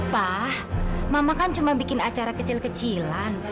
pak mama kan cuma bikin acara kecil kecilan